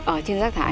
ở trên rác thải